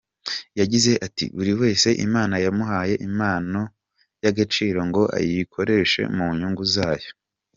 Yagize ati “Buri wese Imana yamuhaye impano y’agaciro ngo ayikoreshe mu nyungu zayo.